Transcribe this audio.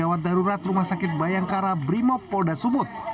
jawat darurat rumah sakit bayangkara brimob poldat sumut